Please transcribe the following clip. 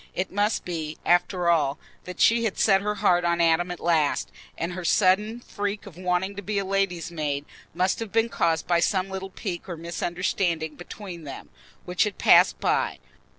It must be, after all, that she had set her heart on Adam at last, and her sudden freak of wanting to be a lady's maid must have been caused by some little pique or misunderstanding between them, which had passed by.